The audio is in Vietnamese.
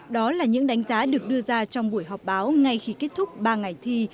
đó là những đánh giá được đưa ra trong buổi họp báo ngay khi kết thúc ba ngày thi